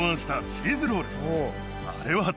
あれは。